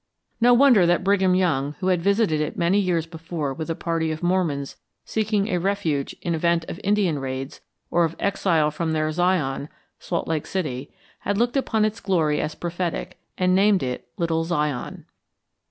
No wonder that Brigham Young, who had visited it many years before with a party of Mormons seeking a refuge in event of Indian raids or of exile from their Zion, Salt Lake City, had looked upon its glory as prophetic, and named it Little Zion.